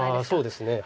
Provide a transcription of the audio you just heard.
そうですね。